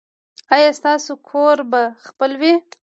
ایا ستاسو کور به خپل وي؟